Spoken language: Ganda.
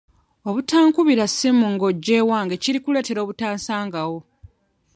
Obutankubira ssimu nga ojja ewange kiri kuleetera obutansangawo.